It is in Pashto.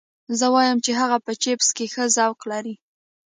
زه وایم چې هغه په چپس کې ښه ذوق لري